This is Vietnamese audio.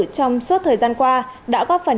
trong suốt thời gian qua đã góp phần